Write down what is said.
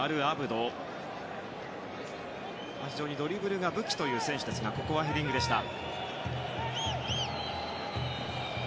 ドリブルが武器という選手ですがここはヘディングでした。